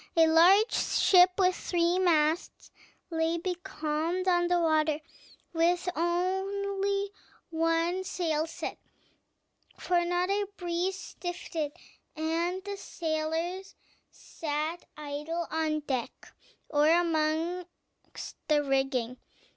A large ship, with three masts, lay becalmed on the water, with only one sail set; for not a breeze stiffed, and the sailors sat idle on deck or amongst the rigging.